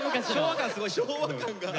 昭和感が。